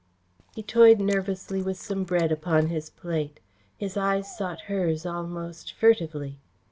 He toyed nervously with some bread upon his plate. His eyes sought hers almost furtively.